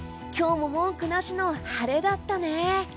今日も文句なしの晴れだったね。